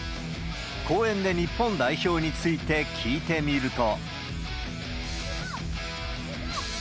公園で日本代表について聞いてみると。